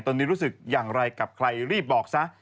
ตอนนี้รู้สึกอย่างไรกับใครรีบบอกซะ